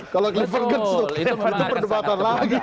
kalau clifford gertz tuh perdebatan lagi